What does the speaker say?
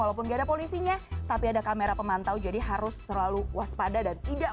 walaupun nggak ada polisinya tapi ada kamera pemantau jadi harus terlalu waspada dan tidak